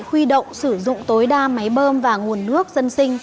huy động sử dụng tối đa máy bơm và nguồn nước dân sinh